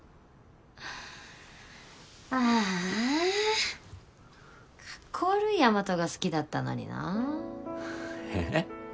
ああカッコ悪い大和が好きだったのになえっ？